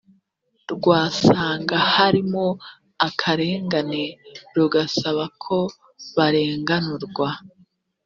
rwasanga harimo akarengane rugasaba ko barenganurwa